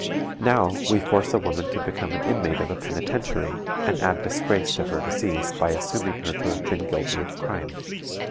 Now, we force a woman to become an inmate of a penitentiary, and add disgrace to her disease by assuming her to have been guilty of crime.